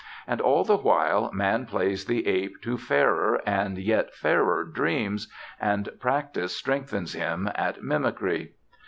And all the while man plays the ape to fairer and yet fairer dreams, and practice strengthens him at mimickry....